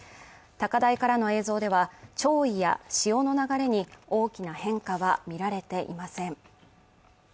高台からの映像では潮位や潮の流れに大きな変化は見られていません。